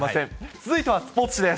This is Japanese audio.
続いてはスポーツ紙です。